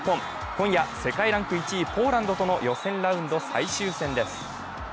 今夜、世界ランク１位、ポーランドとの予選ラウンド最終戦です。